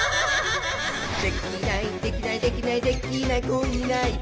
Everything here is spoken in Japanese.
「できないできないできないできない子いないか」